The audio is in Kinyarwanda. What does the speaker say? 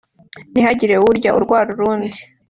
ntihagire uwurya urwara uwundi